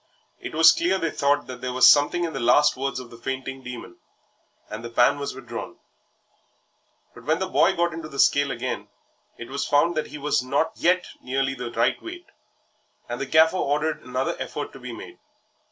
It was clear they thought that there was something in the last words of the fainting Demon, and the pan was withdrawn. But when the boy was got into the scale again it was found that he was not yet nearly the right weight, and the Gaffer ordered another effort to be made.